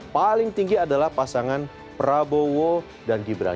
paling tinggi adalah pasangan prabowo dan gibran